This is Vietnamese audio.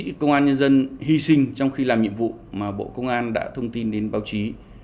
chiến sĩ công an nhân dân hy sinh trong khi làm nhiệm vụ mà bộ công an đã thông tin đến báo chí